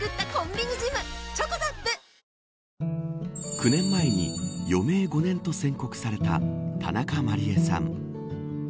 ９年前に余命５年と宣告された田中麻莉絵さん